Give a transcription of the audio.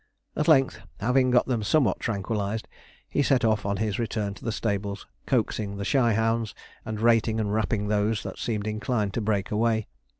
At length, having got them somewhat tranquillized, he set off on his return to the stables, coaxing the shy hounds, and rating and rapping those that seemed inclined to break away.